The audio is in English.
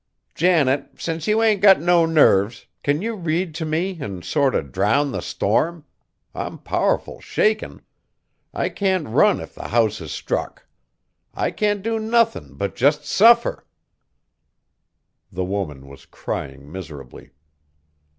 "Janet, since you ain't got no nerves, can you read t' me an' sort o' drown the storm? I'm powerful shaken. I can't run if the house is struck; I can't do nothin' but jest suffer." The woman was crying miserably.